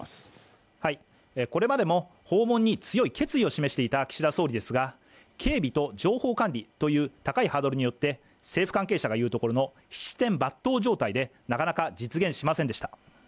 これまでも訪問に強い決意を示していた岸田総理ですが、警備と情報監理という高いハードルによって政府関係者が言うところの七転八倒状態でなかなか実現しませんでした。